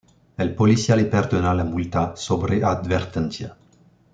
El policía le perdona la multa, sobre advertencia.